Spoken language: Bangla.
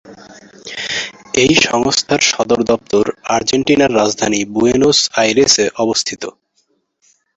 এই সংস্থার সদর দপ্তর আর্জেন্টিনার রাজধানী বুয়েনোস আইরেসে অবস্থিত।